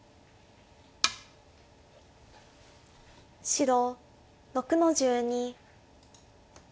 白６の十二。